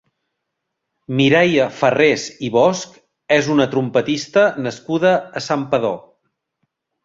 Mireia Farrés i Bosch és una trompetista nascuda a Santpedor.